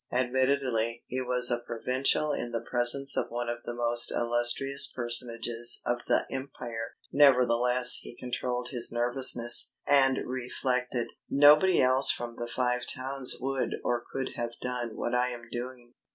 Admittedly, he was a provincial in the presence of one of the most illustrious personages of the empire. Nevertheless he controlled his nervousness, and reflected: "Nobody else from the Five Towns would or could have done what I am doing.